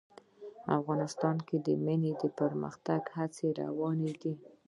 افغانستان کې د منی د پرمختګ هڅې روانې دي.